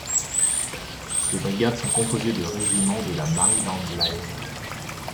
Ces brigades sont composées de régiments de la Maryland Line.